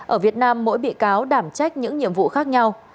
ở việt nam mỗi bị cáo đảm trách những nhiệm vụ khác nhau